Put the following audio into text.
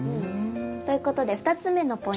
ということで２つめのポイント